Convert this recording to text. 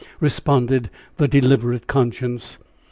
responded the deliberate conscience.